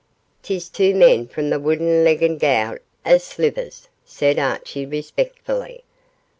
''Tis two men fra that wudden legged gowk o' a Slivers,' said Archie, respectfully.